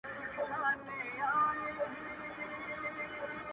کومه ورځ به پر دې قوم باندي رڼا سي٫